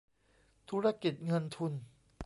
ธุรกิจเงินทุน